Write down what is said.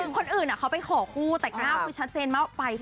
คนอื่นเขาไปขอคู่แต่ก้าวคือชัดเจนมากไป